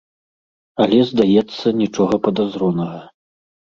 Але, здаецца, нічога падазронага.